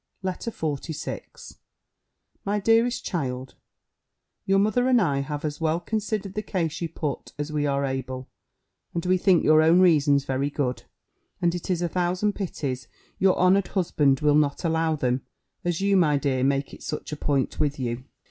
LETTER XLVI My Dearest Child, Your mother and I have as well considered the case you put as we are able; and we think your own reasons very good; and it is a thousand pities your honoured husband will not allow them, as you, my dear, make it such a point with you.